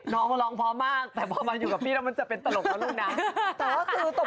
น้องร้องพอมากแต่พอมาอยู่กับพี่ก็จะเป็นตลกแล้วลูกน้อง